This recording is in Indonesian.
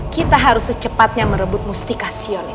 kita harus secepatnya merebut mustikasion itu